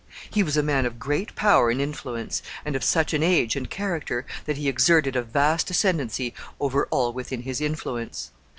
He was a man of great power and influence, and of such an age and character that he exerted a vast ascendency over all within his influence.